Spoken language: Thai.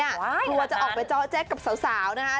กลัวจะออกไปเจาะแจ๊กกับสาวนะคะ